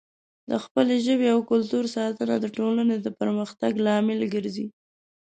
د خپلې ژبې او کلتور ساتنه د ټولنې د پرمختګ لامل ګرځي.